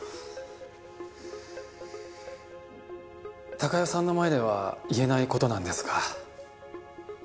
貴代さんの前では言えない事なんですが。